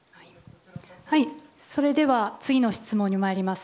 それでは次の質問に参ります。